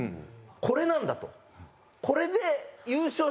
これなんだと。